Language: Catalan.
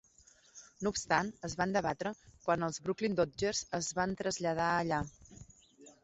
No obstant, es van debatre quan els Brooklyn Dodgers es van traslladar allà.